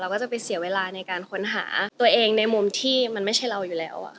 ก็จะไปเสียเวลาในการค้นหาตัวเองในมุมที่มันไม่ใช่เราอยู่แล้ว